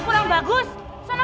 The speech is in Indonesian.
mereka menikah di rumah kita